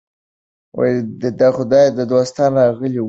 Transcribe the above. د خدای دوستان راغلي وو.